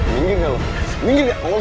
minggir gak lo minggir gak